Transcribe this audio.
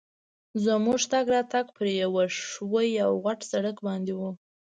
زموږ تګ راتګ پر یوه ښوي او غټ سړک باندي وو.